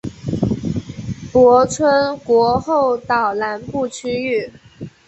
泊村国后岛南部区域。